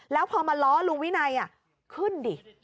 แล้วพอมาล้อลุงวินัยขึ้นดิ